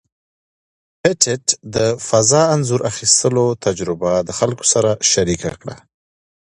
پېټټ د فضا انځور اخیستلو تجربه د خلکو سره شریکه کړه.